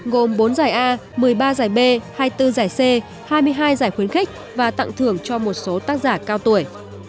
gồm bốn giải a một mươi ba giải b hai mươi bốn giải c hai mươi hai giải khuyến khích và tặng thưởng cho một số tác giả cao tuổi